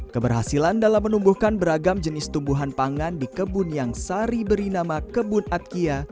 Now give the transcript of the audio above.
keberhasilan dalam menumbuhkan beragam jenis tumbuhan pangan di kebun yang sari beri nama kebun atkia